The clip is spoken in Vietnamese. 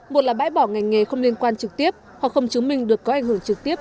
một là bãi bỏ ngành nghề không liên quan trực tiếp hoặc không chứng minh được có ảnh hưởng trực tiếp